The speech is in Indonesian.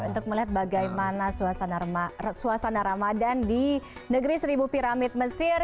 untuk melihat bagaimana suasana ramadan di negeri seribu piramid mesir